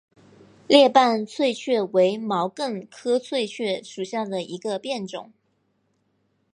裂瓣翠雀为毛茛科翠雀属下的一个变种。